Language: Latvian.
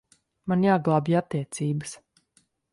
Man jāglābj attiecības.